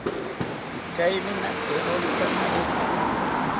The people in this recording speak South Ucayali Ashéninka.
Pikaimina eerokika naretya